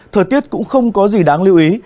thời tiết cũng không có gì đáng lưu ý